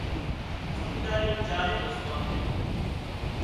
امينۮارئي او چارئي دوستان نين